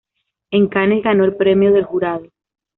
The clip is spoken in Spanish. En Cannes ganó el Premio del Jurado.